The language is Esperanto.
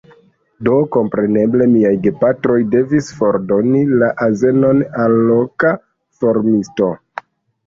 Do, kompreneble, miaj gepatroj devis fordoni la azenon al loka farmisto.